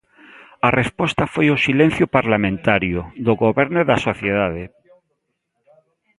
A resposta foi o silencio parlamentario, do Goberno e da sociedade.